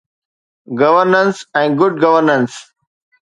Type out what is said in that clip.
Governance ۽ good governance.